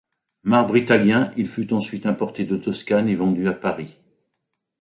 Marbre italien, il fut ensuite importé de Toscane et vendu à Paris.